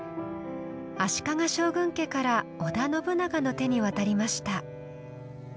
足利将軍家から織田信長の手に渡りました。